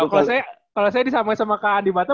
kalau saya disamai sama ke andi batam